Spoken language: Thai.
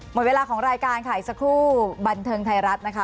หมดเวลาของรายการค่ะอีกสักครู่บันเทิงไทยรัฐนะคะ